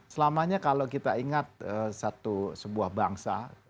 selamanya kalau kita ingat sebuah bangsa